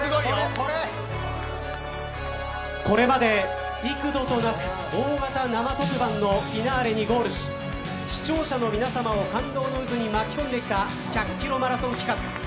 これまで、幾度となく大型生特番のフィナーレにゴールし視聴者の皆さまを感動の渦に巻き込んできた１００キロマラソン企画。